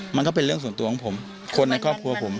มันก็เป็นเรื่องส่วนตัวของผมคนในครอบครัวผม